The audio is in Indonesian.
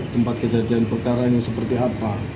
tempat kejadian berdarah ini seperti apa